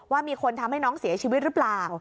ว่ามีคนทำให้น้องเสียชีวิตหรือเปล่า